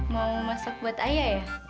mau masuk buat ayah ya